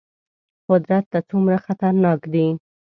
قدرت ته څومره خطرناک دي.